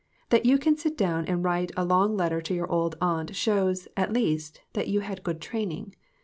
That you can sit down and write a long letter to your old aunt shows, at least, that you had good training.